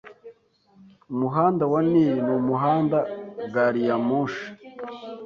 Umuhanda wa Nil numuhanda Gariyamoshi